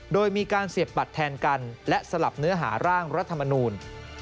โดยมีการเสียบบัตรแทนกันและสลับเนื้อหาร่างรัฐมนูล